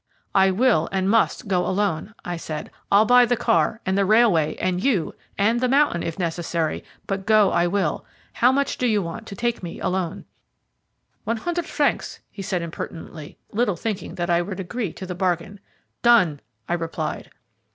"I will, and must, go alone," I said. "I'll buy the car, and the railway, and you, and the mountain, if necessary, but go I will. How much do you want to take me alone?" "One hundred francs," he answered impertinently, little thinking that I would agree to the bargain. "Done!" I replied.